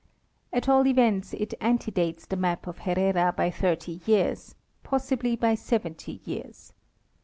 At all events it antedates the map of Herrera by thirty years—pos sibly by seventy years.